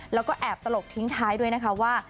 แล้วก็แอบตลกทิ้งท้ายด้วยนะคะว่า